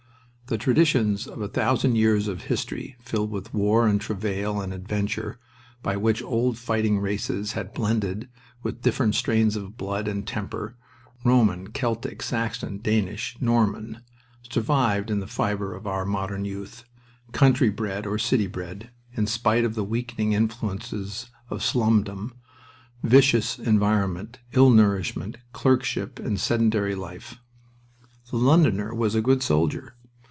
The traditions of a thousand years of history filled with war and travail and adventure, by which old fighting races had blended with different strains of blood and temper Roman, Celtic, Saxon, Danish, Norman survived in the fiber of our modern youth, country bred or city bred, in spite of the weakening influences of slumdom, vicious environment, ill nourishment, clerkship, and sedentary life. The Londoner was a good soldier.